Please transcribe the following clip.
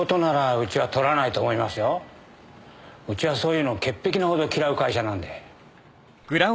うちはそういうの潔癖なほど嫌う会社なんで。